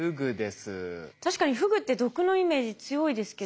確かにフグって毒のイメージ強いですけど。